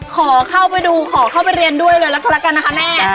ขอเข้าไปดูขอเข้าไปเรียนด้วยเลยแล้วก็แล้วกันนะคะแม่